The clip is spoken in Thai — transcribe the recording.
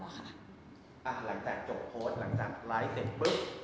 หลังจากจบโพสต์หลังจากไลฟ์เสร็จปุ๊บ